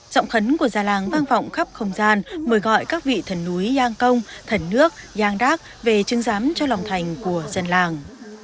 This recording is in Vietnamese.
giọng khấn của gia làng vang vọng khắp không gian mời gọi các vị thần núi giang công thần nước giang đác về chứng giám cho lòng thành của dân làng